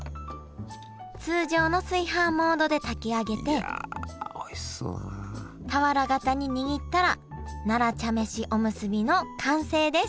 通常の炊飯モードで炊き上げて俵型ににぎったら奈良茶飯おむすびの完成です